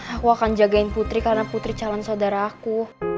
aku akan jagain putri karena putri calon saudara aku